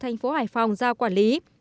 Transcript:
thành phố hải phòng giao quản lý